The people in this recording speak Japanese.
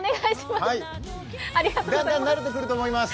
だんだん慣れてくると思います。